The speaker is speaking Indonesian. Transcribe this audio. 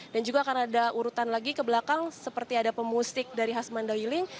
dan juga akan ada urutan lagi ke belakang seperti ada pemusik dari khas mandailing